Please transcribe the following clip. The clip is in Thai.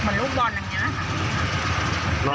เหมือนลูกบอลอย่างนี้นะคะ